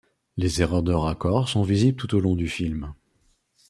Les erreurs de raccord sont visibles tout au long du film.